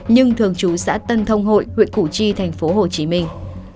nhưng thường trú xã tân thông hội huyện củ chi thành phố hồ chí minh